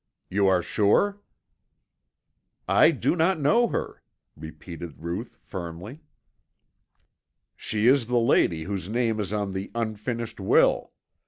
"You are sure?" "I do not know her," repeated Ruth firmly. "She is the lady whose name is on the unfinished will.